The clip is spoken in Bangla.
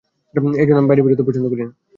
এজন্য আমি বাইরে বেরুতে পছন্দ করিনা।